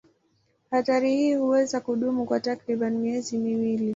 Hatari hii huweza kudumu kwa takriban miezi miwili.